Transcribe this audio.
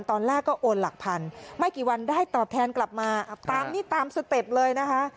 ตอนแรกก็โอนหลักพันไม่กี่วันได้ตอบแทนกลับมาตามนี้ตามสเต็ปเลยนะคะ